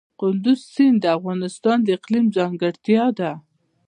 کندز سیند د افغانستان د اقلیم ځانګړتیا ده.